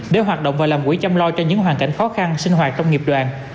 để hoạt động và làm quỹ chăm lo cho những hoàn cảnh khó khăn sinh hoạt trong nghiệp đoàn